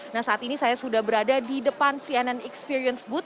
nah saat ini saya sudah berada di depan cnn experience booth